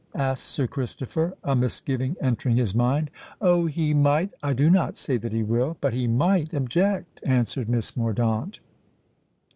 asked Sir Christopher, a misgiving entering his mind. "Oh! he might—I do not say that he will—but he might object," answered Miss Mordaunt.